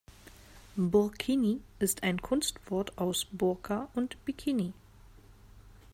Burkini ist ein Kunstwort aus Burka und Bikini.